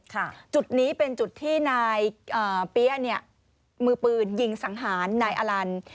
จุดนี้เป็นจุดที่นายเปี๊ยะเนี่ยมือปืนยิงสังหารนายอลัน